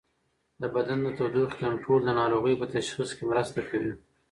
د بدن د تودوخې کنټرول د ناروغۍ په تشخیص کې مرسته کوي.